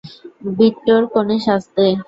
বিট্টোর কনে সাজতে।